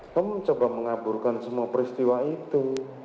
kamu mencoba mengaburkan semua peristiwa itu